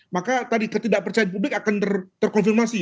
maka tadi ketidakpercayaan publik akan terkonfirmasi